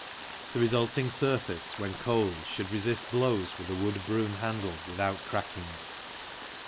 The resulting surface, when cold, should resist blows with a wood broom handle without cracking.